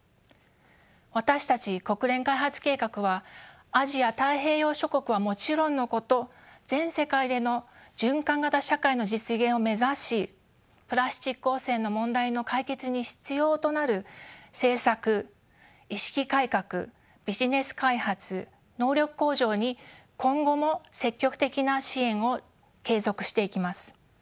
私たち国連開発計画はアジア太平洋諸国はもちろんのこと全世界での循環型社会の実現を目指しプラスチック汚染の問題の解決に必要となる政策意識改革ビジネス開発能力向上に今後も積極的な支援を継続していきます。